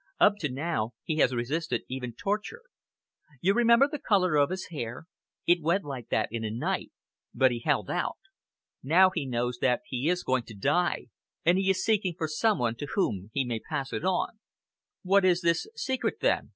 Up to now, he has resisted even torture. You remember the color of his hair? It went like that in a night, but he held out. Now he knows that he is going to die, and he is seeking for some one to whom he may pass it on." "What is this secret then?"